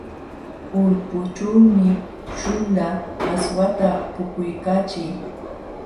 Ulpućhuumi śhuula aswata puquykaachii.